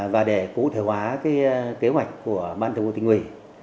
và để cụ thể hóa kế hoạch của ban thờ vô tình ủy